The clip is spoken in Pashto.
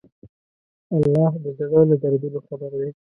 الله د زړه له دردونو خبر دی.